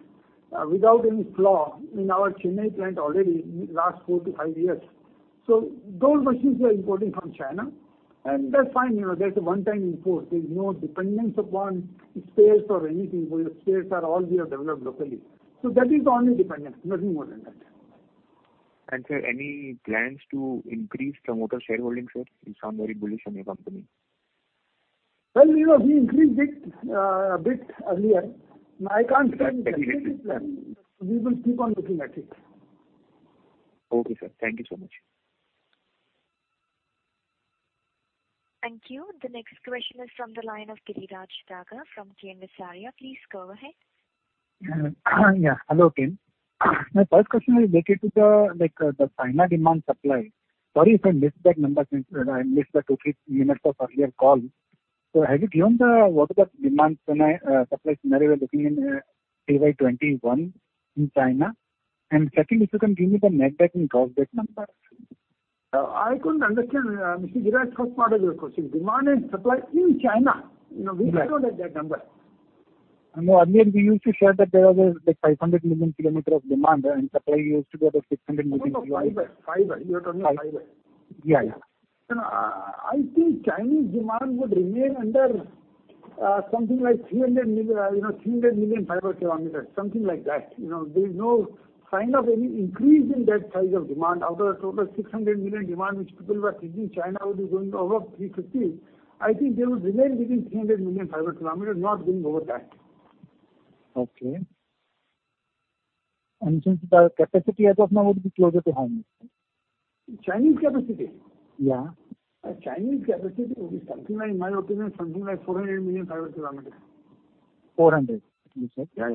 without any flaw in our Chennai plant already, last four to five years. Those machines we are importing from China, and that's fine. That's a one-time import. There's no dependence upon spares or anything. Spares are all we have developed locally. That is the only dependence, nothing more than that. Sir, any plans to increase promoter shareholding, sir? You sound very bullish on your company. We increased it a bit earlier. technically. We will keep on looking at it. Okay, sir. Thank you so much. Thank you. The next question is from the line of Giriraj Daga from K M Visaria. Please go ahead. Yeah. Hello, team. My first question is related to the China demand supply. Sorry if I missed that number since I missed the two, three minutes of earlier call. Have you given what is the demand supply scenario you're looking in FY 2021 in China? Secondly, if you can give me the net debt and gross debt numbers. I couldn't understand, Mr. Giriraj, first part of your question. Demand and supply in China. We don't have that number. No, earlier we used to share that there was like 500 million kilometer of demand and supply used to be at a 600 million fiber. No, fiber. We are talking fiber. Fiber. Yeah. I think Chinese demand would remain under something like 300 million fiber kilometers, something like that. There's no sign of any increase in that size of demand. Out of the total 600 million demand, which people were thinking China would be going above 350, I think they would remain within 300 million fiber kilometers, not going over that. Okay. Since the capacity as of now would be closer to how many? Chinese capacity? Yeah. Chinese capacity will be something like, in my opinion, something like 400 million fiber kilometers. 400, you said? Yeah.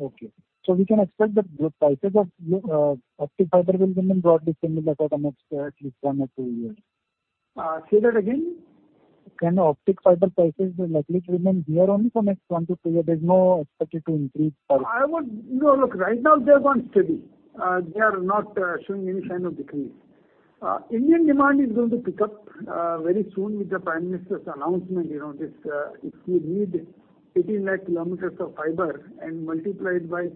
Okay. We can expect that the prices of optical fiber will remain broadly similar for the next at least one or two years. Say that again. Can optical fiber prices likely to remain here only for next one to two years? There's no expected to increase price. No, look, right now they have gone steady. They are not showing any sign of decrease. Indian demand is going to pick up very soon with the Prime Minister's announcement. If you need 18 lakh kilometers of fiber and multiply it by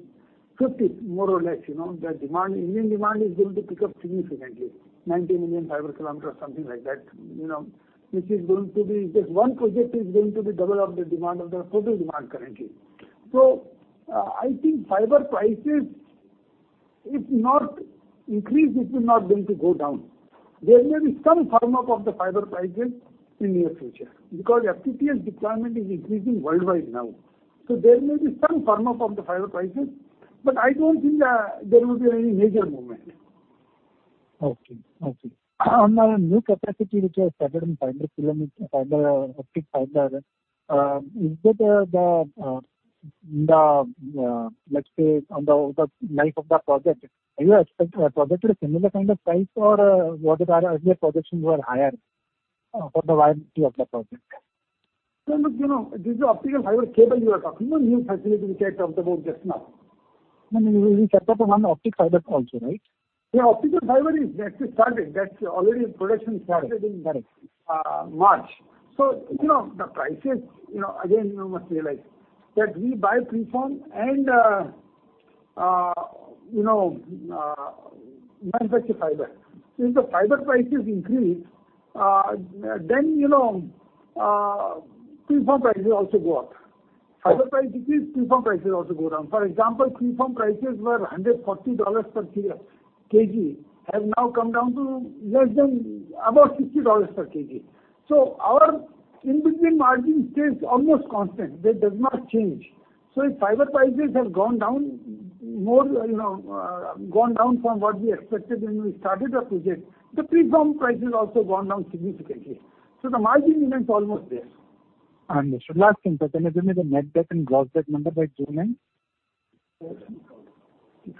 50, more or less, the demand, Indian demand, is going to pick up significantly. 90 million fiber kilometers, something like that. This one project is going to be double of the demand of the total demand currently. I think fiber prices, if not increase, it is not going to go down. There may be some firm up of the fiber prices in near future because FTTH deployment is increasing worldwide now. There may be some firm up of the fiber prices, but I don't think there will be any major movement. Okay. On the new capacity, which you have started in 500 optic fiber, let's say on the life of that project, are you expecting a projected similar kind of price or whatever earlier projections were higher for the viability of the project? This is optical fiber cable you are talking about, new facility we talked about just now. No, we talked about the one optic fiber also, right? Yeah, optical fiber is actually started. That's already in production. Started in- March. The prices, again, you must realize that we buy preform and manufacture fiber. If the fiber prices increase, then preform prices also go up. Fiber price decrease, preform prices also go down. For example, preform prices were $140 per kg, have now come down to less than about $60 per kg. Our in-between margin stays almost constant. That does not change. If fiber prices have gone down from what we expected when we started the project, the preform prices also gone down significantly. The margin remains almost there. Understood. Last question, give me the net debt and gross debt number by June end. There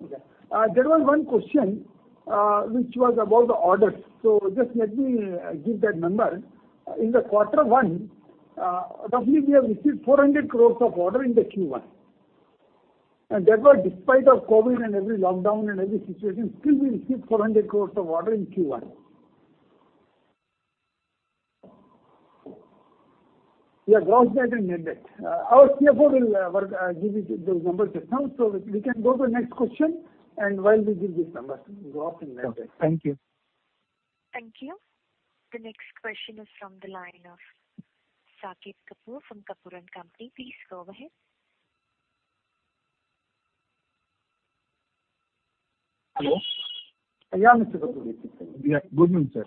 was one question, which was about the orders. Just let me give that number. In the quarter one, roughly we have received 400 crore of order in the Q1. That was despite of COVID-19 and every lockdown and every situation, still we received 400 crore of order in Q1. Gross debt and net debt. Our CFO will give you those numbers just now, we can go to the next question and while we give this number, gross and net debt. Okay. Thank you. Thank you. The next question is from the line of Saket Kapoor from Kapoor & Company. Please go ahead. Hello? Yeah, Mr. Kapoor. Good morning, sir.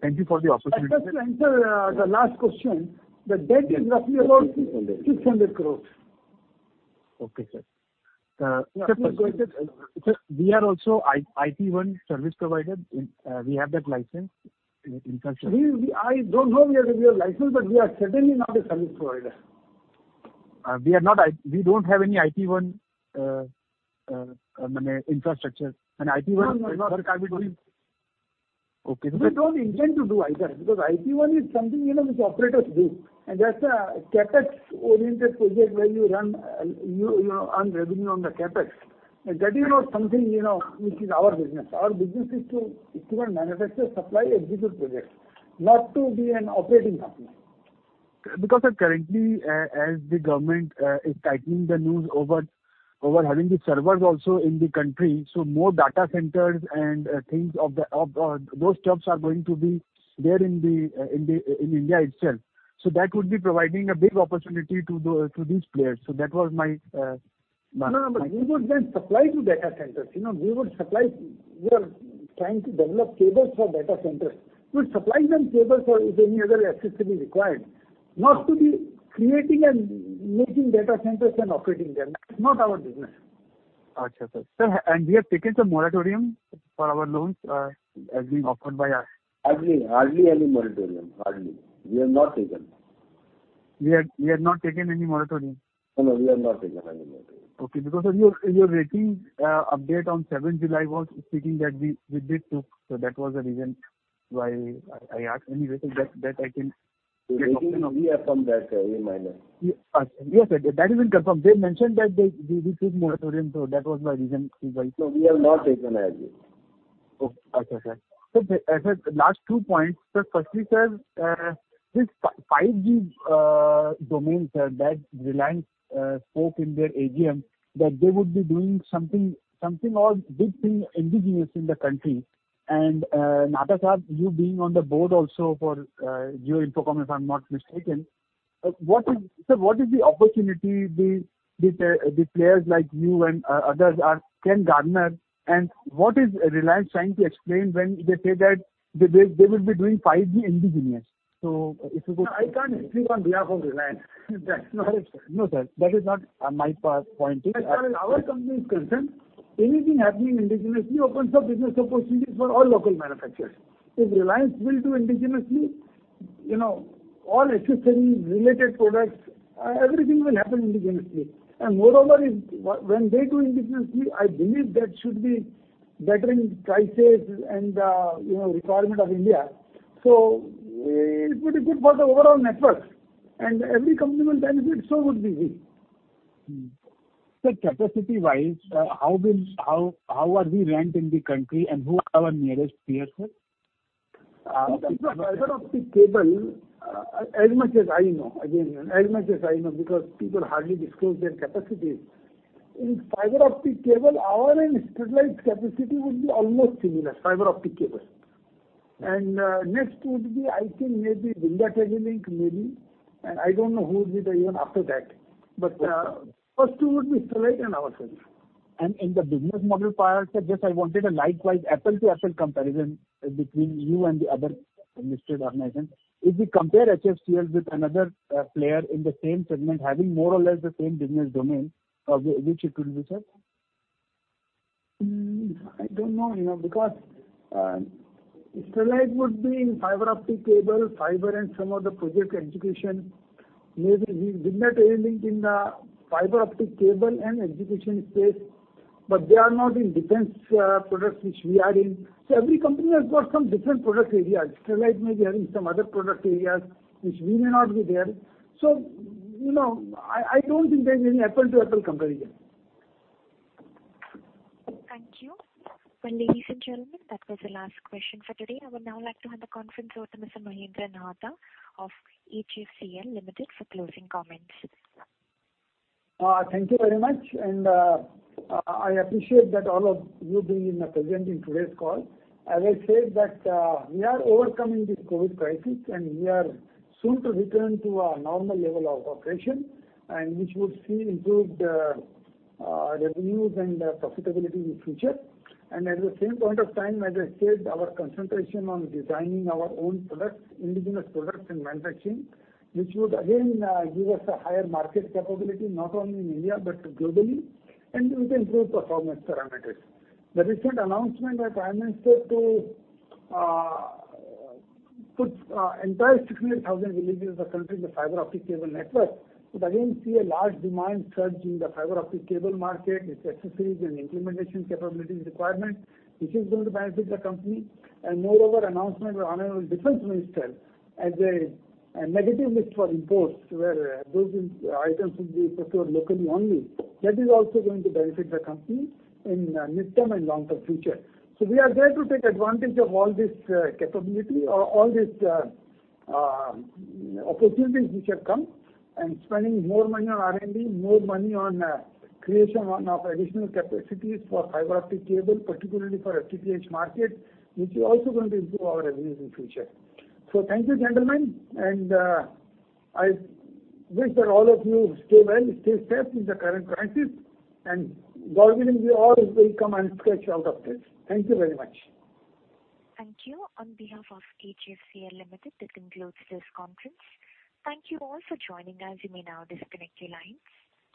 Thank you for the opportunity. Just to answer the last question, the debt is roughly about 600 crores. Okay, sir. Yeah. Sir, we are also IP-1 service provider. We have that license infrastructure. I don't know whether we have license, but we are certainly not a service provider. We don't have any IP-1 infrastructure. No, sir, I'm talking. Okay. We don't intend to do either because IP-1 is something which operators do. That's a CapEx-oriented project where you earn revenue on the CapEx. That is not something which is our business. Our business is to even manufacture, supply, execute projects, not to be an operating company. Currently, as the Government is tightening the noose over having the servers also in the country, more data centers and those jobs are going to be there in India itself. That would be providing a big opportunity to these players. We would then supply to data centers. We are trying to develop cables for data centers. We would supply them cables or if any other accessories required, not to be creating and making data centers and operating them. That's not our business. Okay. Sir, we have taken the moratorium for our loans as being offered by our- Hardly any moratorium. Hardly. We have not taken. We have not taken any moratorium? No, we have not taken any moratorium. Okay. Your ratings update on seventh July was stating that we did took, so that was the reason why I asked. That I can get- The ratings, we have confirmed that a minor. Yes, sir. That is confirmed. They mentioned that they took moratorium, that was my reason why. We have not taken as yet. Okay, sir. Sir, last two points. Sir, firstly, this 5G domain that Reliance spoke in their AGM, that they would be doing something or a big thing indigenous in the country. Nahata sir, you being on the board also for Jio Infocomm, if I'm not mistaken. Sir, what is the opportunity the players like you and others can garner, and what is Reliance trying to explain when they say that they will be doing 5G indigenous? No, I can't speak on behalf of Reliance. That's not- No, sir. That is not my point. As far as our company is concerned, anything happening indigenously opens up business opportunities for all local manufacturers. If Reliance will do indigenously, all accessories, related products, everything will happen indigenously. Moreover, when they do indigenously, I believe that should be bettering prices and requirement of India. It would be good for the overall network, and every company will benefit, so would we. Sir, capacity-wise, how are we ranked in the country and who are our nearest peers, sir? In terms of fiber optic cable, as much as I know, because people hardly disclose their capacities. In fiber optic cable, our and Sterlite's capacity would be almost similar, fiber optic cable. Next would be, I think maybe Vindhya Telelinks maybe. I don't know who is it even after that. First two would be Sterlite and ourselves. In the business model part, sir, just I wanted a likewise apple-to-apple comparison between you and the other listed organizations. If we compare HFCL with another player in the same segment having more or less the same business domain, which it will be, sir? I don't know because Sterlite would be in fiber optic cable, fiber and some of the project execution. Maybe Vindhya Telelinks in the fiber optic cable and execution space, but they are not in defense products which we are in. Every company has got some different product areas. Sterlite may be having some other product areas which we may not be there. I don't think there's any apple-to-apple comparison. Thank you. Well, ladies and gentlemen, that was the last question for today. I would now like to hand the conference over to Mr. Mahendra Nahata of HFCL Limited for closing comments. Thank you very much, and I appreciate that all of you being present in today's call. As I said that we are overcoming the COVID crisis, and we are soon to return to a normal level of operation, and which would see improved revenues and profitability in future. At the same point of time, as I said, our concentration on designing our own products, indigenous products and manufacturing, which would again give us a higher market capability, not only in India but globally, and with improved performance parameters. The recent announcement by Prime Minister to put entire 600,000 villages of the country, the fiber optic cable network, would again see a large demand surge in the fiber optic cable market, its accessories and implementation capabilities requirement, which is going to benefit the company. Moreover, announcement by Honorable Defense Minister as a negative list for imports, where those items will be procured locally only. That is also going to benefit the company in mid-term and long-term future. We are there to take advantage of all this capability, all these opportunities which have come, and spending more money on R&D, more money on creation of additional capacities for fiber optic cable, particularly for FTTH market, which is also going to improve our revenues in future. Thank you, gentlemen, and I wish that all of you stay well, stay safe in the current crisis. God willing, we all will come and stretch out of this. Thank you very much. Thank you. On behalf of HFCL Limited, this concludes this conference. Thank you all for joining us. You may now disconnect your lines.